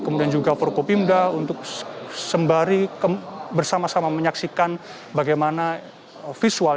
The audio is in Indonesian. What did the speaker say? kemudian juga forkopimda untuk sembari bersama sama menyaksikan bagaimana visual